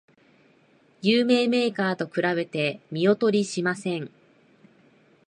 有名メーカーと比べて見劣りしません